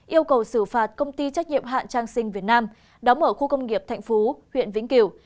yêu cầu xử phạt công ty trách nhiệm hạn trang sinh việt nam đóng ở khu công nghiệp thạnh phú huyện vĩnh kiều